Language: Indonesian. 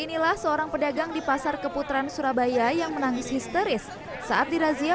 inilah seorang pedagang di pasar keputaran surabaya yang menangis histeris saat dirazia